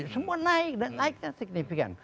semua naik dan naiknya signifikan